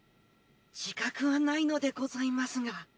自覚はないのでございますが。